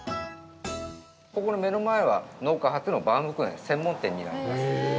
ここの目の前は農家初のバームクーヘン専門店になります。